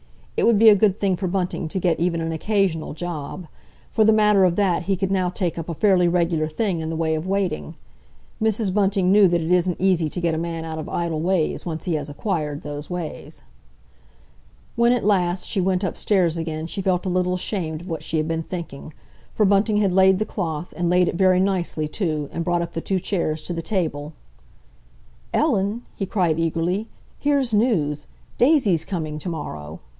It would be a good thing for Bunting to get even an occasional job—for the matter of that he could now take up a fairly regular thing in the way of waiting. Mrs. Bunting knew that it isn't easy to get a man out of idle ways once he has acquired those ways. When, at last, she went upstairs again she felt a little ashamed of what she had been thinking, for Bunting had laid the cloth, and laid it very nicely, too, and brought up the two chairs to the table. "Ellen?" he cried eagerly, "here's news! Daisy's coming to morrow!